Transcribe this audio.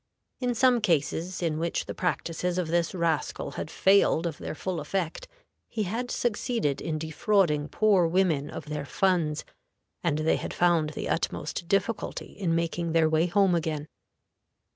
In some cases in which the practices of this rascal had failed of their full effect, he had succeeded in defrauding poor women of their funds, and they had found the utmost difficulty in making their way home again.